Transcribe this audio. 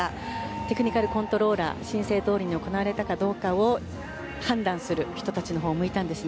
テクニカルコントローラー申請どおりに行われたかどうか判断する人たちのほうを向いたんです。